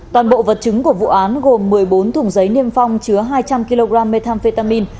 toàn bộ vật chứng của vụ án gồm một mươi bốn thùng giấy niêm phong chứa hai trăm linh kg methamphetamin